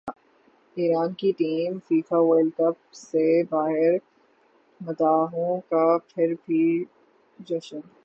ایران کی team FIFA World cup سے باہرمداحوں کا پھر بھی جشن